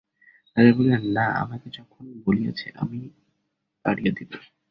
রাজা বলিলেন, না, আমাকে যখন বলিয়াছে আমিই পাড়িয়া দিব।